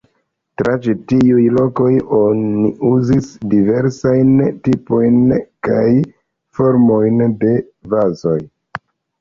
Tra ĉi tiuj lokoj oni uzis diversajn tipojn kaj formojn de vazoj.